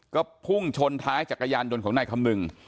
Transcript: ก็พุ่งชนท้ายจักรยานยนต์ของนายคำนึง